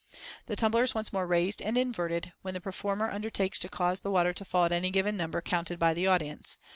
The tumbler is once more raised and inverted, when the performer undertakes to cause the water to fall at any given number counted by the audience.